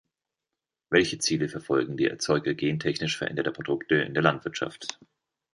Welche Ziele verfolgen die Erzeuger gentechnisch veränderter Produkte in der Landwirtschaft?